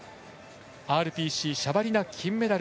ＲＰＣシャバリナ金メダル。